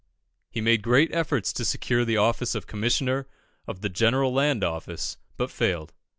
He made great efforts to secure the office of Commissioner of the General Land Office, but failed.